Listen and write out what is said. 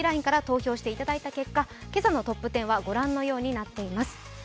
ＬＩＮＥから投票していただいた結果今朝のトップ１０は御覧のようになっています。